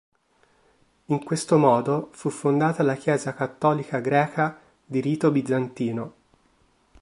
In questo modo fu fondata la Chiesa cattolica greca di rito bizantino.